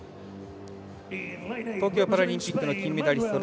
東京パラリンピックの金メダリスト